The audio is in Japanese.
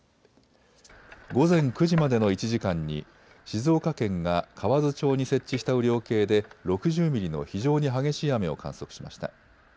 午前９時までの１時間に静岡県が河津町に設置した雨量計で６０ミリの非常に激しい雨を観測しました。